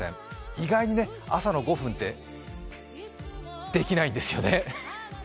意外に朝の５分って、できないんですよね。